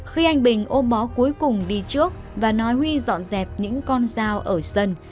khi anh bình ôm bó cuối cùng đi trước và nói huy dọn dẹp những con dao ở sân